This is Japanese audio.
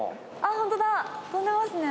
ホントだ飛んでますね